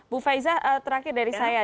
bu faiza terakhir dari saya